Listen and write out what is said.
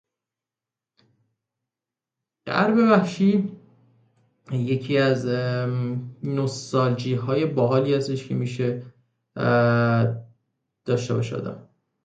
Internal building partitions have been removed.